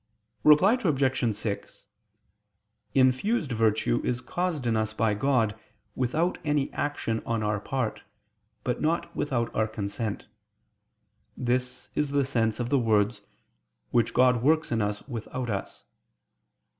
Reply Obj. 6: Infused virtue is caused in us by God without any action on our part, but not without our consent. This is the sense of the words, "which God works in us without us."